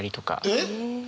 えっ！